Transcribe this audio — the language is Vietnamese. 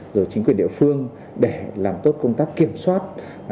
rồi chính quyền địa phương để làm tốt công tác kiểm soát